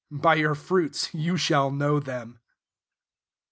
By your fruits you shall know them.